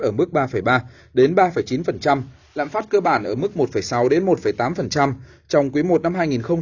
ở mức ba ba ba chín lạm phát cơ bản ở mức một sáu một tám trong quý i năm hai nghìn một mươi chín